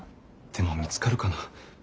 でも見つかるかな。